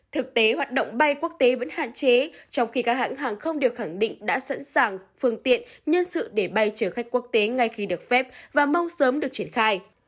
thực tế hoạt động bay quốc tế vẫn hạn chế trong khi các hãng hàng không đều khẳng định đã sẵn sàng phương tiện nhân sự để bay chở khách quốc tế ngay khi được phép và mong sớm được triển khai